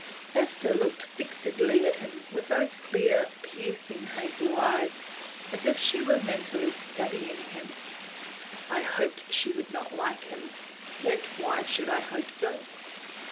Esther looked fixedly at him with those clear, piercing hazel eyes, as if she were mentally studying him. I hoped she would not like him, yet why should I hope so?